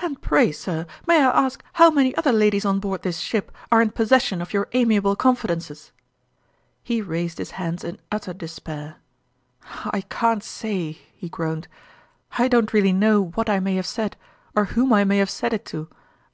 And pray, sir, may I ask how many other ladies on board this ship are in possession of your amiable confidences ?" He raised his hands in utter despair. " I can't say," he groaned. " I don't really know what I may have said, or whom I may have said it to